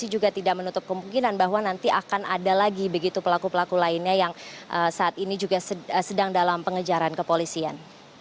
juga tidak menutup kemungkinan bahwa nanti akan ada lagi begitu pelaku pelaku lainnya yang saat ini juga sedang dalam pengejaran kepolisian